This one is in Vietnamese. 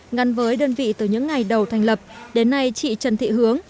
ngăn với đơn vị từ những ngày đầu thành lập đến nay chị trần thị hướng